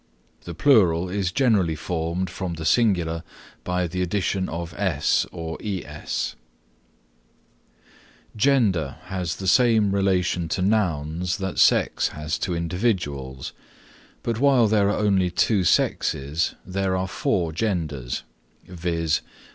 The plural is generally formed from the singular by the addition of s or es. Gender has the same relation to nouns that sex has to individuals, but while there are only two sexes, there are four genders, viz.